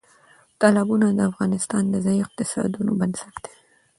تالابونه د افغانستان د ځایي اقتصادونو بنسټ دی.